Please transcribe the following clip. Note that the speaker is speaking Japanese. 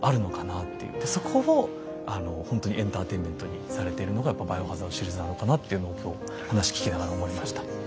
でそこをほんとにエンターテインメントにされてるのが「バイオハザード」シリーズなのかなっていうのを今日話聞きながら思いました。